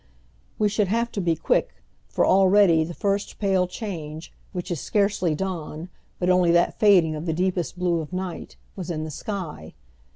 We should have to be quick, for already, the first pale change, which is scarcely dawn but only that fading of the deepest blue of night, was in the sky.